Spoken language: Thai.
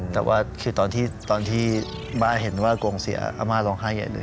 แต่ว่าคือตอนที่บ้าเห็นว่าโกงเสียอาม่าร้องไห้ใหญ่เลย